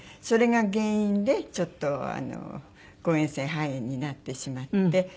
それが原因でちょっと誤嚥性肺炎になってしまって。